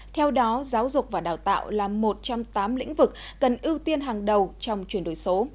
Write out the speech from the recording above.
theo đó giáo dục và đào tạo là một trong tám lĩnh vực cần ưu tiên hàng đầu trong chuyển đổi số